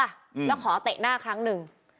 ห้ามกันครับผม